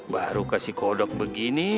baru kasih kodok begini